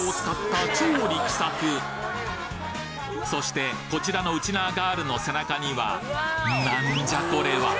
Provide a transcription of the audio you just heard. そしてこちらのウチナーガールの背中には何じゃこれは！？